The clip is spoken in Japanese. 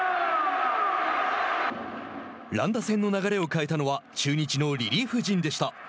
乱打戦の流れを変えたのは中日のリリーフ陣でした。